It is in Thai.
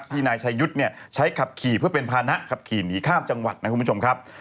นายชายุทธ์ใช้ขับขี่เพื่อเป็นภานะขับขี่หนีข้ามจังหวัดนะคุณผู้ชมครับ